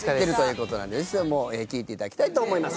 ぜひとも聴いていただきたいと思います。